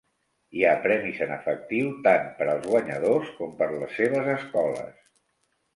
Hi ha premis en efectiu, tant per als guanyadors com per les seves escoles.